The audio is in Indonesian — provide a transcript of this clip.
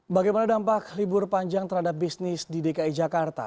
bagaimana dampak libur panjang terhadap bisnis di dki jakarta